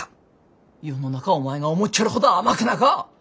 世の中お前が思っちょるほど甘くなか。